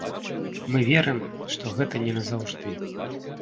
Мы верым, што гэта не назаўжды.